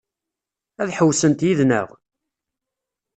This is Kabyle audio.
Ad ḥewwsent yid-neɣ?